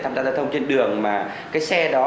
tham gia giao thông trên đường mà cái xe đó